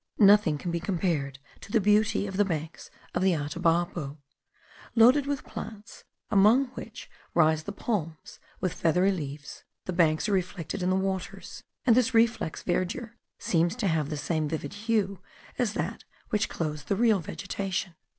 Nothing can be compared to the beauty of the banks of the Atabapo. Loaded with plants, among which rise the palms with feathery leaves; the banks are reflected in the waters, and this reflex verdure seems to have the same vivid hue as that which clothes the real vegetation.